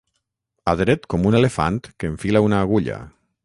Adret com un elefant que enfila una agulla.